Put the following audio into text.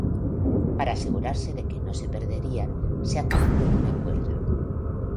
Para asegurarse de que no se perderían, se ataron con una cuerda.